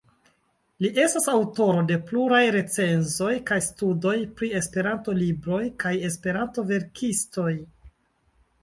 Li estas aŭtoro de pluraj recenzoj kaj studoj pri Esperanto-libroj kaj Esperanto-verkistoj.